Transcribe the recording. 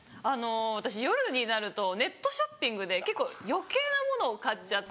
私夜になるとネットショッピングで結構余計なものを買っちゃって。